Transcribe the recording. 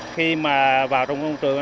khi vào trong công trường